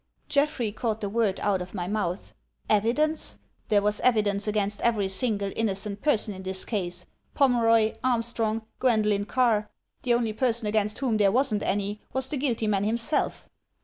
Jeffrey caught the word out of my mouth. "Evidence? There was evidence against every single innocent person in this case — 274 THE TECHNIQUE OF THE MYSTERY STORY Pomeroy, Armstrong, Gwendolen Carr. The only person against whom there wasn't any was the guilty man himself.